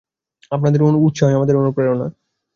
আপনাদের উৎসাহই আমাদের অনুপ্রেরণা।